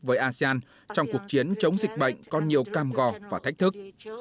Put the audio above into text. với asean trong cuộc chiến chống dịch bệnh có nhiều cam gò và thách thức